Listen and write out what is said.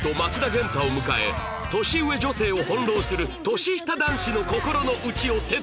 元太を迎え年上女性を翻弄する年下男子の心の内を徹底考察！